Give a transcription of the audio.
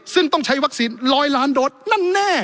ซึ่งต้องใช้วัคซีน๑๐๐ล้านโดสนั่นแน่